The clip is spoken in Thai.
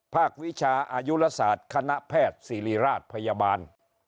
ภาควิชาอายุลสาธิ์คณะแพทย์สิริราชพยาบาล